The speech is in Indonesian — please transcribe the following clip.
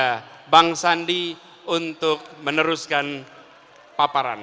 kepada bang sandi untuk meneruskan paparan